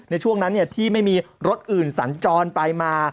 ในช่วงนั้นที่ไม่มีรถอื่นสัญจรไปมา